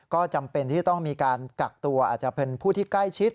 ก็จำเป็นที่จะต้องมีการกักตัวอาจจะเป็นผู้ที่ใกล้ชิด